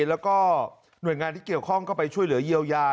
แล้วก็หน่วยงานที่เกี่ยวข้องก็ไปช่วยเหลือเยียวยา